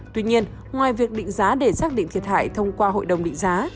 tuy nhiên ngoài việc định giá để xác định thiệt hại thông qua hội đồng định giá